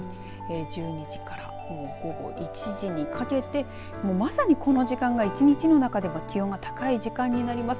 １２時から午後１時にかけてまさにこの時間が一日の中で気温が高い時間になります。